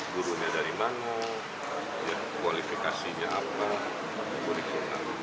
gurunya dari mana kualifikasinya apa boleh dikurang